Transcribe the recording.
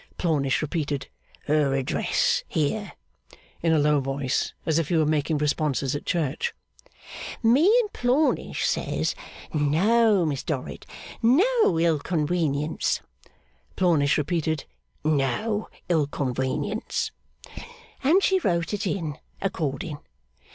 (Plornish repeated, her address here, in a low voice, as if he were making responses at church.) 'Me and Plornish says, No, Miss Dorrit, no ill conwenience,' (Plornish repeated, no ill conwenience,) 'and she wrote it in, according.